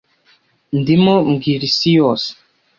ndimo mbwira isi yose